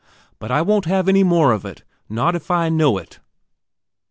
But I won't have any more of it, not if I know it.